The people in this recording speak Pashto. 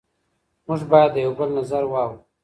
موږ باید د یو بل نظر واورو.